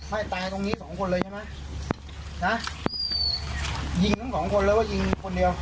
ตายตรงนี้สองคนเลยใช่ไหมนะยิงทั้งสองคนเลยว่ายิงคนเดียว